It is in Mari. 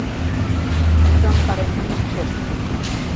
Умшам карен ынышт кошт!